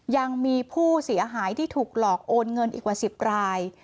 ยังมีผู้เสียหายที่ถูกหลอกโอนเงินอีกกว่า๑๐ราย